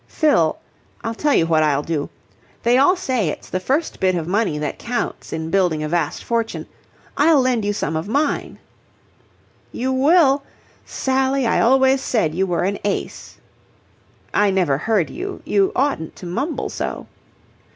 Fill... I'll tell you what I'll do. They all say it's the first bit of money that counts in building a vast fortune. I'll lend you some of mine." "You will? Sally, I always said you were an ace." "I never heard you. You oughtn't to mumble so."